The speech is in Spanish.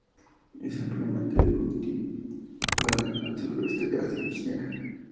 Es ampliamente cultivada en el sureste de Asia y en China.